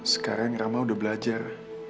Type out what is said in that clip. sekarang rama udah belajar